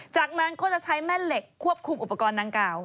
จากนั้นก็จะใช้แม่เหล็กควบคุมอุปกรณ์ดังกล่าว